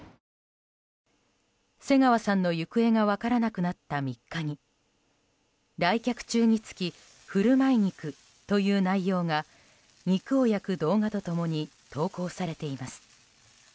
瀬川さんの行方が分からなくなった３日に「来客中につき、振る舞い肉」という内容が肉を焼く動画と共に投稿されています。